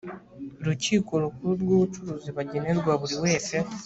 rukiko rukuru rw ubucuruzi bagenerwa buri wese